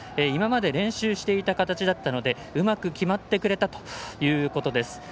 今まで練習していた形だったのでうまく決まってくれたということです。